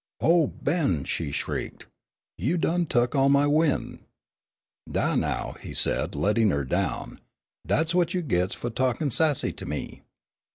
"Oh, Ben," she shrieked, "you done tuk all my win'!" "Dah, now," he said, letting her down; "dat's what you gits fu' talkin' sassy to me!"